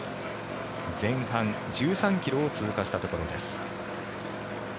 前半１３ｋｍを通過したところです。